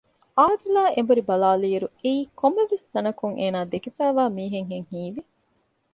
އާދިލާ އެނބުރި ބަލާލިއިރު އެއީ ކޮންމެވެސް ތަނަކުން އޭނާ ދެކެފައިވާ މީހެއްހެން ހީވި